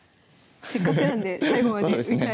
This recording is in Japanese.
せっかくなんで最後まで見たい。